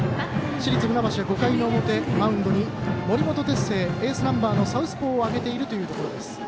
市立船橋、５回の表のマウンドに森本哲星、エースナンバーのサウスポーを上げているところ。